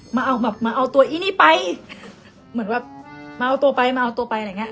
มาเอาแบบมาเอาตัวอีนี่ไปเหมือนแบบมาเอาตัวไปมาเอาตัวไปอะไรอย่างเงี้